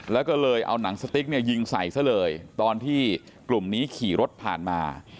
แล้วก็เลยเอาหนังสติ๊กเนี่ยยิงใส่ซะเลยตอนที่กลุ่มนี้ขี่รถผ่านมา